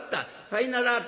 さいなら」。